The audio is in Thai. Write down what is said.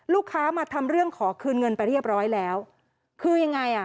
ลูกค้ามาทำเรื่องขอคืนเงินไปเรียบร้อยแล้วคือยังไงอ่ะ